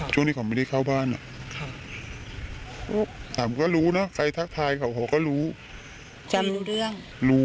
จำรู้เรื่อง